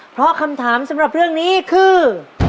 เพราะคำถามสำหรับเรื่องนี้คือ